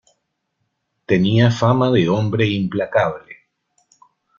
Tenía fama de hombre implacable.